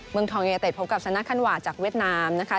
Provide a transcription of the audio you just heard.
เมืองทองยูเนเต็ดพบกับสนาคันวาจากเวียดนามนะคะ